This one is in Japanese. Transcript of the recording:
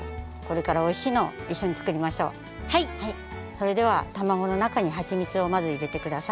それではたまごのなかにはちみつをまずいれてください。